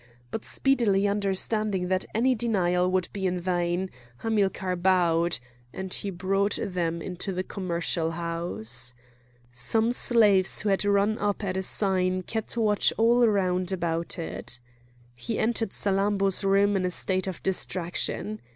But speedily understanding that any denial would be in vain, Hamilcar bowed; and he brought them into the commercial house. Some slaves who had run up at a sign kept watch all round about it. He entered Salammbô's room in a state of distraction.